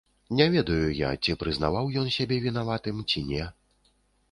Не ведаю я, ці прызнаваў ён сябе вінаватым ці не.